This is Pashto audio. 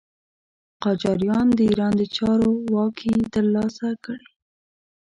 قاجاریان د ایران د چارو واګې تر لاسه کړې.